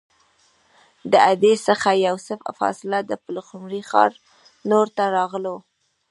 د اډې څخه یو څه فاصله د پلخمري ښار لور ته راغلو.